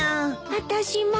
あたしも。